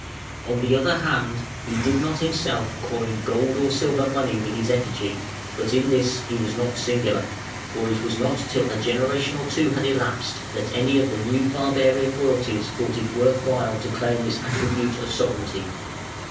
On the other hand, he did not himself coin gold or silver money with his effigy; but in this he was not singular, for it was not till a generation or two had elapsed that any of the new barbarian royalties thought it worth while to claim this attribute of sovereignty.